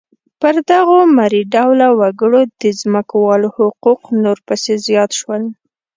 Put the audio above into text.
پر دغو مري ډوله وګړو د ځمکوالو حقوق نور پسې زیات شول.